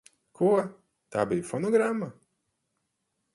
Ko? Tā bija fonogramma?